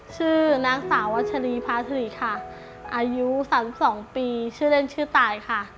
ชื่อนางสาววัชรีภาษีค่ะอายุ๓๒ปีชื่อเล่นชื่อตายค่ะ